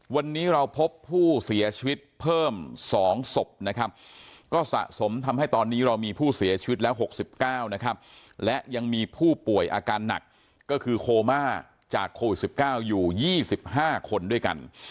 วันนี้เราพบผู้เสียชีวิตเพิ่ม๒ศพนะครับก็สะสมทำให้ตอนนี้เรามีผู้เสียชีวิตแล้ว๖๙นะครับและยังมีผู้ป่วยอาการหนักก็คือโคม่าจากโควิด๑๙อยู่๒๕คนด้วยกัน